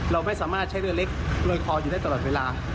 เราไม่สามารถใช้เรือเล็กโรยคออยู่ได้ตลอดเวลา